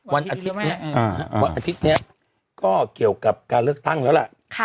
วันอาทิตย์นี้ก็เกี่ยวกับการเลือกตั้งแล้วล่ะ